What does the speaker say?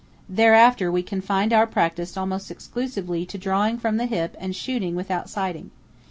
Thereafter we confined our practice almost exclusively to drawing from the hip and shooting without sighting.